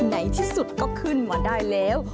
ไหนที่สุดก็ขึ้นมาได้แล้ว